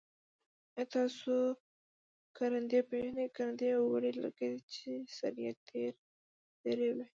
آیا تاسو کرندی پیژنی؟ کرندی یو وړ لرګی دی چه سر یي تیره وي.